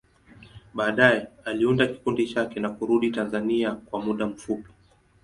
Baadaye, aliunda kikundi chake na kurudi Tanzania kwa muda mfupi.